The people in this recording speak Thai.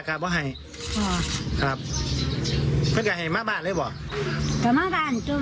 แต่รับมาบานหมดใครมั้งก็คือผัว